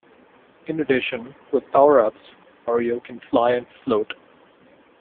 In addition, with power-ups, Mario can fly and float.